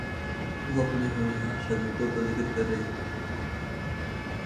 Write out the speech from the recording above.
وہ اپنے ہونہار شاگردوں کا ذکر کر رہے تھے